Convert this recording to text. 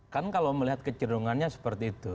kan kalau melihat kecerungannya seperti itu